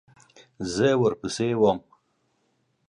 زه ورپسې وم .